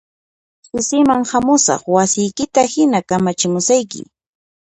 Ch'isiman hamusaq wasiykita hina kamachikusayki